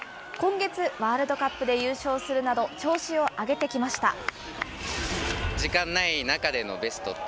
今月、ワールドカップで優勝するなど、調子を上げてきました。